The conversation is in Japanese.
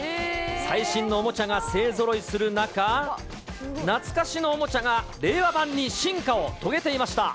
最新のおもちゃが勢ぞろいする中、懐かしのおもちゃが令和版に進化を遂げていました。